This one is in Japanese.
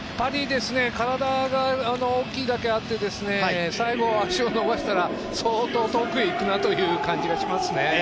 体が大きいだけあって最後は足を伸ばしたら相当遠くにいくなという感じがしますね。